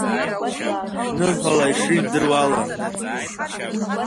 Шәныҳәала ишыжәдыруа ала…